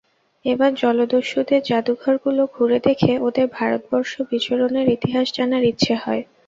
এবার জলদস্যুদের জাদুঘরগুলো ঘুরে দেখে ওদের ভারতবর্ষ বিচরণের ইতিহাস জানার ইচ্ছে হয়।